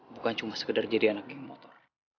bukan cuma sekedar jadi anak geng motor